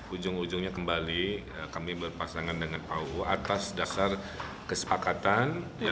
ujung ujungnya kembali kami berpasangan dengan pak uu atas dasar kesepakatan